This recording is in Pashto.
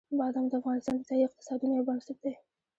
بادام د افغانستان د ځایي اقتصادونو یو بنسټ دی.